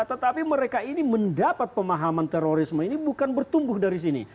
tetapi mereka ini mendapat pemahaman terorisme ini bukan bertumbuh dari sini